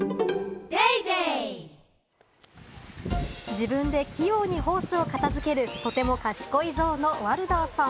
自分で器用にホースを片付けるとても賢いゾウのワルダーさん。